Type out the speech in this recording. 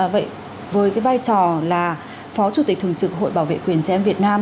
vậy với cái vai trò là phó chủ tịch thường trực hội bảo vệ quyền trẻ em việt nam